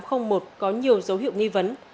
tàu đã được giấu hiệu nghi vấn